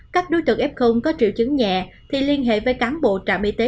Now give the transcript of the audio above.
các đối tượng f có triệu chứng nhẹ thì liên hệ với cán bộ trạm y tế